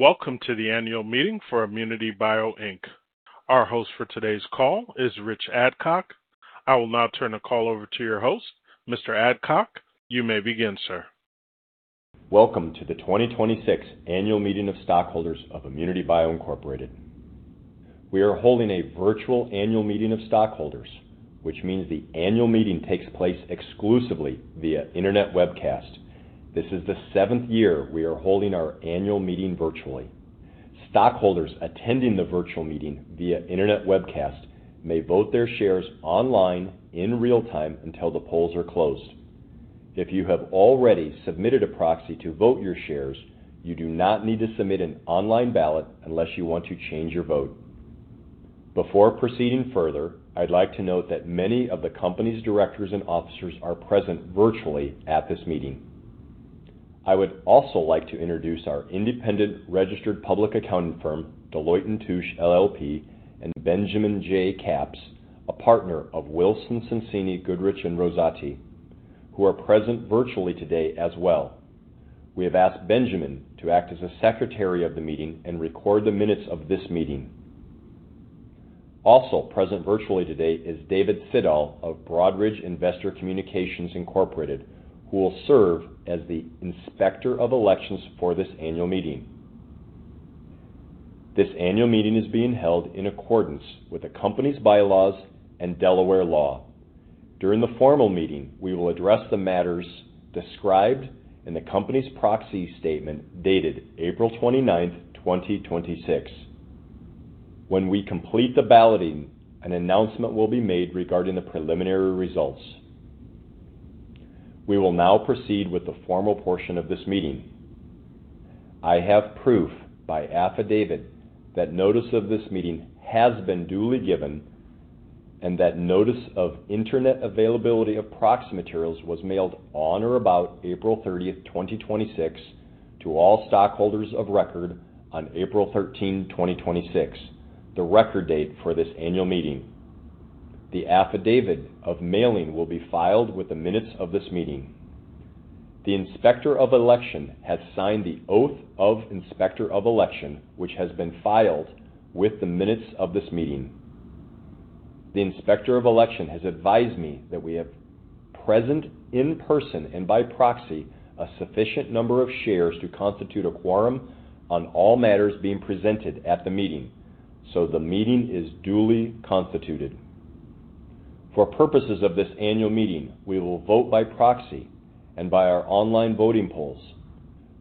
Welcome to the annual meeting for ImmunityBio, Inc. Our host for today's call is Rich Adcock. I will now turn the call over to your host. Mr. Adcock, you may begin, sir. Welcome to the 2026 Annual Meeting of Stockholders of ImmunityBio, Incorporated. We are holding a virtual Annual Meeting of Stockholders, which means the annual meeting takes place exclusively via internet webcast. This is the seventh year we are holding our annual meeting virtually. Stockholders attending the virtual meeting via internet webcast may vote their shares online in real time until the polls are closed. If you have already submitted a proxy to vote your shares, you do not need to submit an online ballot unless you want to change your vote. Before proceeding further, I'd like to note that many of the company's directors and officers are present virtually at this meeting. I would also like to introduce our independent registered public accounting firm, Deloitte & Touche LLP, and Benjamin J. Capps, a partner of Wilson Sonsini Goodrich & Rosati, who are present virtually today as well. We have asked Benjamin to act as a Secretary of the Meeting and record the minutes of this meeting. Also present virtually today is David Siddall of Broadridge Investor Communications Incorporated, who will serve as the Inspector of Elections for this annual meeting. This annual meeting is being held in accordance with the company's bylaws and Delaware law. During the formal meeting, we will address the matters described in the company's proxy statement dated April 29th, 2026. When we complete the balloting, an announcement will be made regarding the preliminary results. We will now proceed with the formal portion of this meeting. I have proof by affidavit that notice of this meeting has been duly given and that notice of internet availability of proxy materials was mailed on or about April 30th, 2026 to all stockholders of record on April 13, 2026, the record date for this annual meeting. The affidavit of mailing will be filed with the minutes of this meeting. The Inspector of Election has signed the Oath of Inspector of Election, which has been filed with the minutes of this meeting. The Inspector of Election has advised me that we have present in person and by proxy a sufficient number of shares to constitute a quorum on all matters being presented at the meeting, so the meeting is duly constituted. For purposes of this annual meeting, we will vote by proxy and by our online voting polls.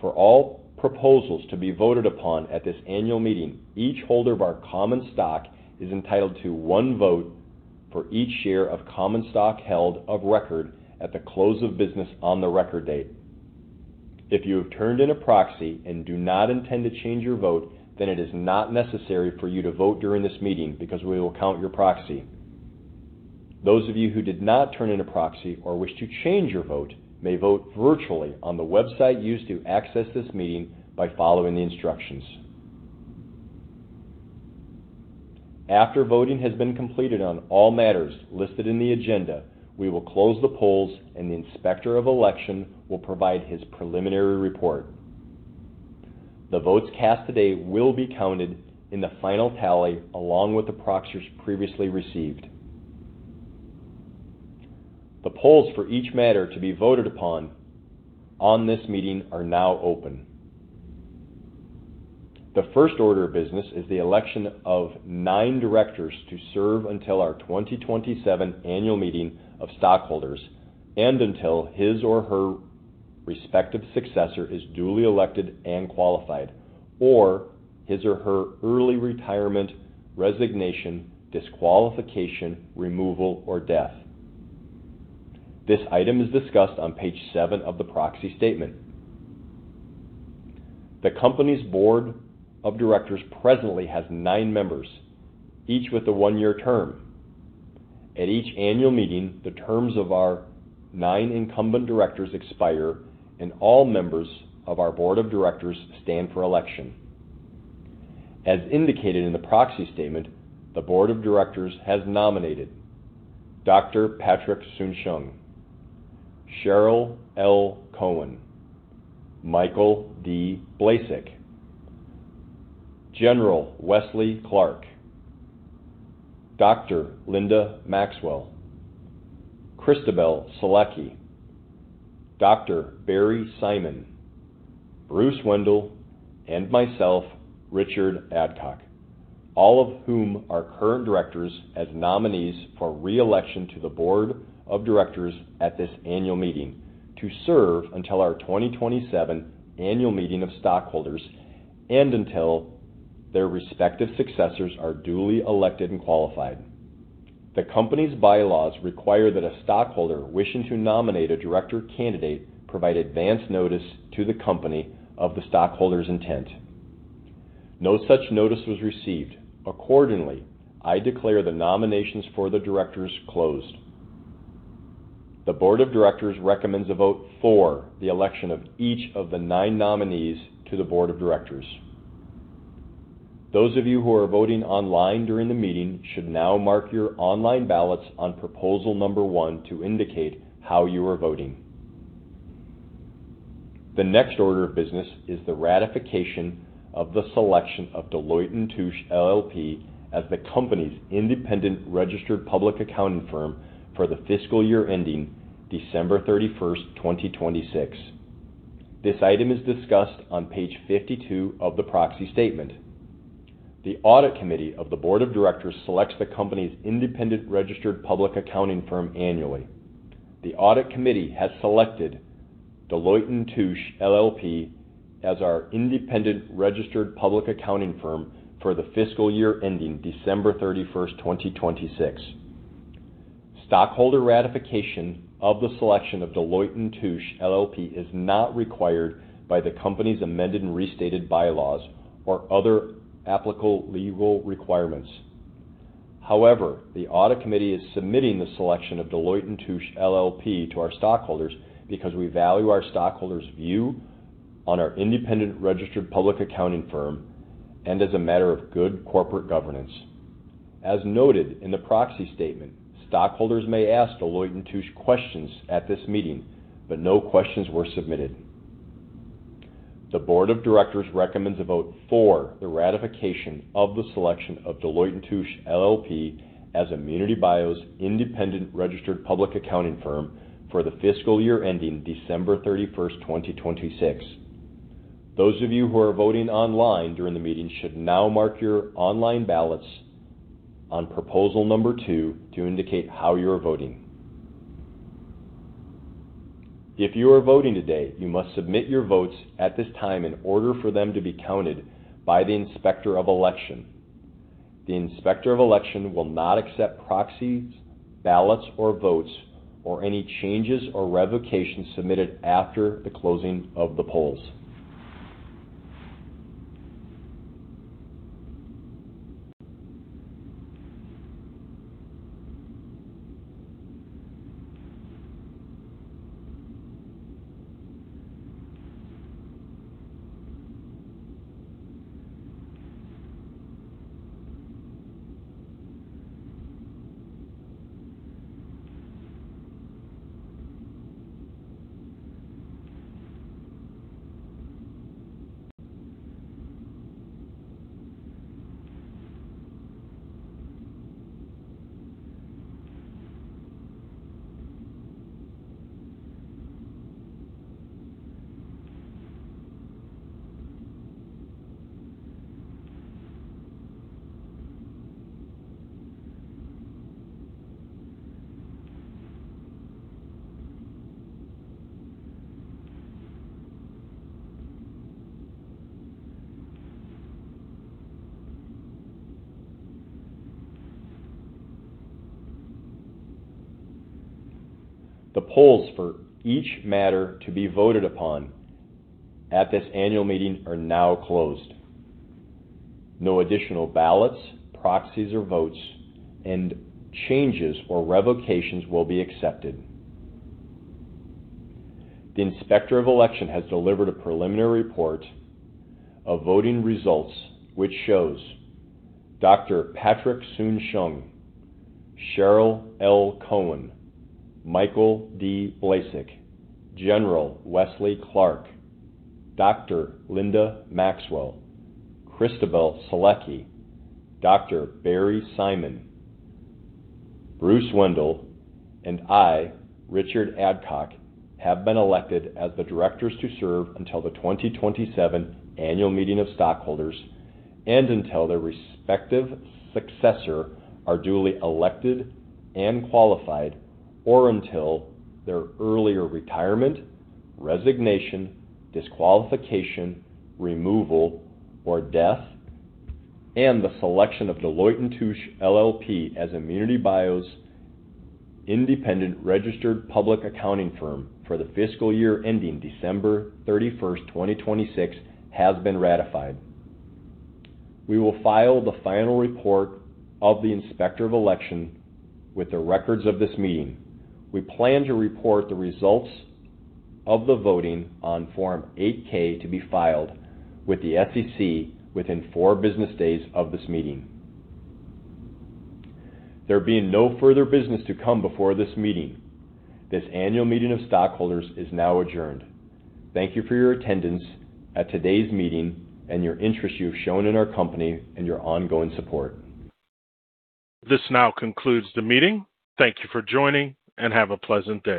For all proposals to be voted upon at this annual meeting, each holder of our common stock is entitled to one vote for each share of common stock held of record at the close of business on the record date. If you have turned in a proxy and do not intend to change your vote, it is not necessary for you to vote during this meeting because we will count your proxy. Those of you who did not turn in a proxy or wish to change your vote may vote virtually on the website used to access this meeting by following the instructions. After voting has been completed on all matters listed in the agenda, we will close the polls and the Inspector of Election will provide his preliminary report. The votes cast today will be counted in the final tally, along with the proxies previously received. The polls for each matter to be voted upon on this meeting are now open. The first order of business is the election of nine directors to serve until our 2027 Annual Meeting of Stockholders and until his or her respective successor is duly elected and qualified, or his or her early retirement, resignation, disqualification, removal, or death. This item is discussed on page seven of the proxy statement. The company's Board of Directors presently has nine members, each with a one-year term. At each annual meeting, the terms of our nine incumbent directors expire and all members of our Board of Directors stand for election. As indicated in the proxy statement, the Board of Directors has nominated Dr. Patrick Soon-Shiong, Cheryl L. Cohen, Michael D. Blaszyk. General Wesley Clark, Dr. Linda Maxwell, Christobel Selecky, Dr. Barry Simon, Bruce Wendel, and myself, Richard Adcock, all of whom are current directors as nominees for re-election to the Board of Directors at this annual meeting to serve until our 2027 Annual Meeting of Stockholders and until their respective successors are duly elected and qualified. The company's bylaws require that a stockholder wishing to nominate a director candidate provide advance notice to the company of the stockholder's intent. No such notice was received. I declare the nominations for the directors closed. The Board of Directors recommends a vote for the election of each of the nine nominees to the Board of Directors. Those of you who are voting online during the meeting should now mark your online ballots on proposal number one to indicate how you are voting. The next order of business is the ratification of the selection of Deloitte & Touche LLP as the company's independent registered public accounting firm for the fiscal year ending December 31st, 2026. This item is discussed on page 52 of the proxy statement. The audit committee of the Board of Directors selects the company's independent registered public accounting firm annually. The audit committee has selected Deloitte & Touche LLP as our independent registered public accounting firm for the fiscal year ending December 31st, 2026. Stockholder ratification of the selection of Deloitte & Touche LLP is not required by the company's amended and restated bylaws or other applicable legal requirements. The audit committee is submitting the selection of Deloitte & Touche LLP to our stockholders because we value our stockholders' view on our independent registered public accounting firm and as a matter of good corporate governance. As noted in the proxy statement, stockholders may ask Deloitte & Touche questions at this meeting, no questions were submitted. The Board of Directors recommends a vote for the ratification of the selection of Deloitte & Touche LLP as ImmunityBio's independent registered public accounting firm for the fiscal year ending December 31st, 2026. Those of you who are voting online during the meeting should now mark your online ballots on Proposal 2 to indicate how you are voting. If you are voting today, you must submit your votes at this time in order for them to be counted by the Inspector of Election. The Inspector of Election will not accept proxies, ballots or votes or any changes or revocations submitted after the closing of the polls. The polls for each matter to be voted upon at this annual meeting are now closed. No additional ballots, proxies or votes and changes or revocations will be accepted. The Inspector of Election has delivered a preliminary report of voting results, which shows Dr. Patrick Soon-Shiong, Cheryl L. Cohen, Michael D. Blaszyk, General Wesley Clark, Dr. Linda Maxwell, Christobel Selecky, Dr. Barry Simon, Bruce Wendel, and I, Richard Adcock, have been elected as the directors to serve until the 2027 Annual Meeting of Stockholders and until their respective successor are duly elected and qualified, or until their earlier retirement, resignation, disqualification, removal, or death and the selection of Deloitte & Touche LLP as ImmunityBio's independent registered public accounting firm for the fiscal year ending December 31st, 2026, has been ratified. We will file the final report of the Inspector of Election with the records of this meeting. We plan to report the results of the voting on Form 8-K to be filed with the SEC within four business days of this meeting. There being no further business to come before this meeting, this Annual Meeting of Stockholders is now adjourned. Thank you for your attendance at today's meeting and your interest you've shown in our company and your ongoing support. This now concludes the meeting. Thank you for joining, have a pleasant day.